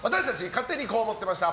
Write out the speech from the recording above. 勝手にこう思ってました！